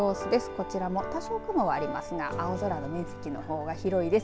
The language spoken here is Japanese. こちらも多少、雲はありますが青空の面積の方が広いです。